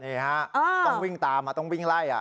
นี่ฮะต้องวิ่งตามต้องวิ่งไล่